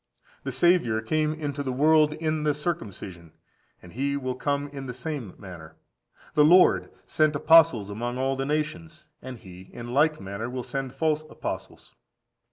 The Saviour came into the world in the circumcision, and he will come in the same manner. The Lord sent apostles among all the nations, and he in like manner will send false apostles.